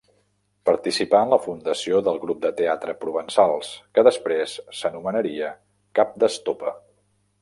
Participà en la fundació del Grup de Teatre Provençals, que després s'anomenaria Cap d'Estopa.